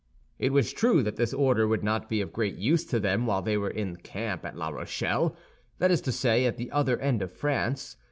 It was true that this order would not be of great use to them while they were in camp at La Rochelle; that is to say, at the other end of France.